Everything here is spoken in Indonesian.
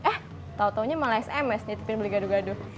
eh tau taunya malah sms di depan beli gaduh gaduh